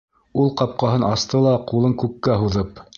Ул ҡапҡаһын асты ла ҡулын күккә һуҙып: